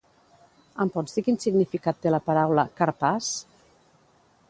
Em pots dir quin significat té la paraula Karpàs?